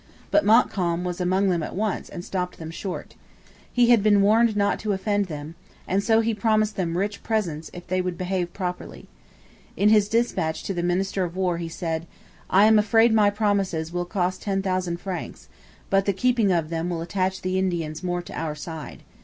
But Montcalm was among them at once and stopped them short. He had been warned not to offend them; and so he promised them rich presents if they would behave properly. In his dispatch to the minister of War he said: 'I am afraid my promises will cost ten thousand francs; but the keeping of them will attach the Indians more to our side.